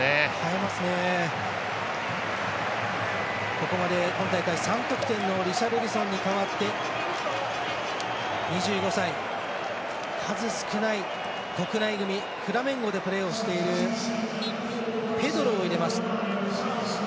ここまで今大会３得点のリシャルリソンに代わって２５歳、数少ない国内組フラメンゴでプレーをしているペドロを入れました。